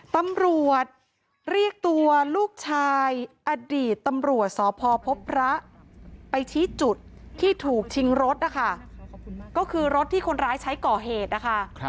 ตำรวจเรียกตัวลูกชายอดีตตำรวจสพพบพระไปชี้จุดที่ถูกชิงรถนะคะก็คือรถที่คนร้ายใช้ก่อเหตุนะคะ